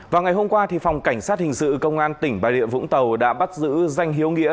vào ngày hôm qua phòng cảnh sát hình sự công an tỉnh bà rịa vũng tàu đã bắt giữ danh hiếu nghĩa